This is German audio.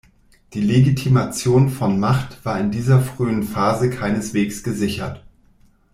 Die Legitimation von Macht war in dieser frühen Phase keineswegs gesichert.